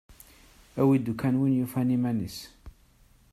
Awi-d ukkan win yufan iman-is.